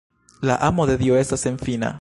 La amo de Dio estas senfina.